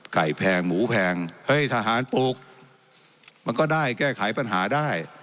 แพงหมูแพงเฮ้ยทหารปลูกมันก็ได้แก้ไขปัญหาได้